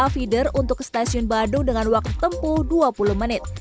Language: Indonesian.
finder untuk ke stasiun bandung dengan waktu tempuh dua puluh menit